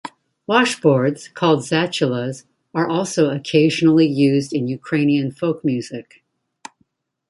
Washboards, called "zatulas", are also occasionally used in Ukrainian folk music.